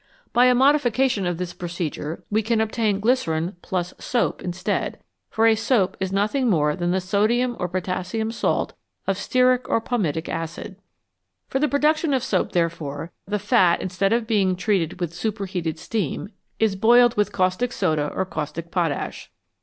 By a modification of this procedure we can obtain glycerine \ soap instead, for a soap is nothing more than the sodium or potassium salt of stearic or palmitic acid. For the production of soap, therefore, the fat, instead of being treated with superheated steam, is boiled with caustic soda or caustic potash.